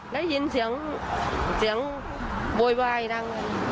ได้ยินเสียงเสียงโวยวายดัง